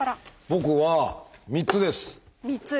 僕は３つです。